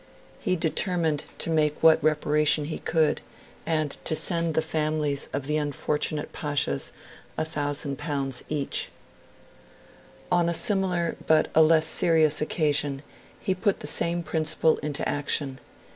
He determined to make what reparation he could, and to send the families of the unfortunate Pashas L1,000 each. On a similar, but a less serious, occasion, he put the same principle into action.